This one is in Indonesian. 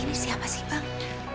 ini siapa sih bang